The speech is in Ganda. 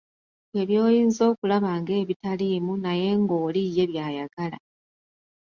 Ggwe by'oyinza okulaba ng'ebitaliimu naye ng'oli ye by'ayagala.